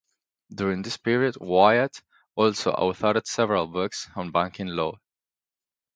During this period, Wyatt also authored several books on banking law.